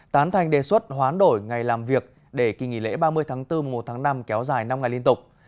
tán thành đề xuất hoán đổi ngày làm việc để kỳ nghỉ lễ ba mươi tháng bốn mùa một tháng năm kéo dài năm ngày liên tục